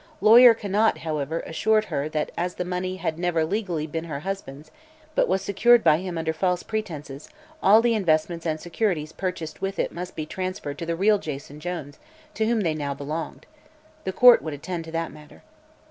Lawyer Conant, however, assured her that as the money had never been legally her husband's, but was secured by him under false pretenses, all the investments and securities purchased with it must be transferred to the real Jason Jones, to whom they now belonged. The court would attend to that matter.